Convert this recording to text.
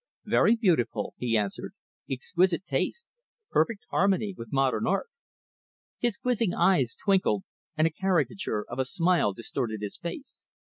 "Very beautiful" he answered "exquisite taste perfect harmony with modern art." His quizzing eyes twinkled, and a caricature of a smile distorted his face.